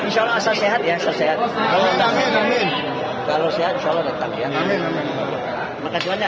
ini adalah wartawan yang membuat susah saya karena membuat pertanyaan pertanyaan yang nggak mudah gue menjawab ya